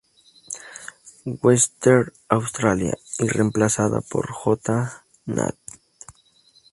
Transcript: Western Australia" y reemplazada por "J. Nat.